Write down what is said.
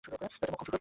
এটা মোক্ষম সুযোগ।